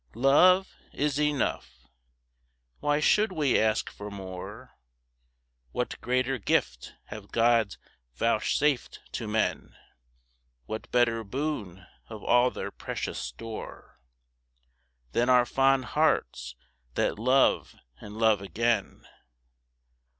Love is enough. Why should we ask for more? What greater gift have gods vouchsafed to men? What better boon of all their precious store Than our fond hearts that love and love again?